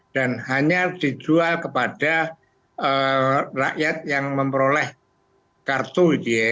dan hanya dijual kepada rakyat yang memperoleh kartu itu ya